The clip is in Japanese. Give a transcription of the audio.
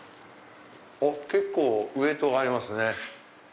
あっ結構ウエートがありますね。